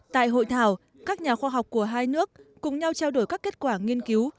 tại hội thảo các nhà khoa học của hai nước cùng nhau trao đổi các kết quả nghiên cứu